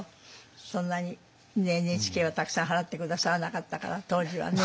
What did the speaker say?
そんなにＮＨＫはたくさん払って下さらなかったから当時はね。